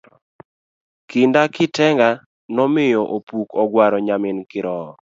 Kinda kitenga nomiyo opuk ogwaro nyarmin kirowo